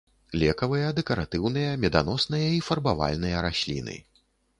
Лекавыя, дэкаратыўныя, меданосныя і фарбавальныя расліны.